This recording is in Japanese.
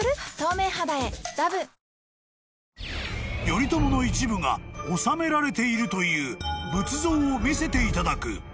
［頼朝の一部が納められているという仏像を見せていただく］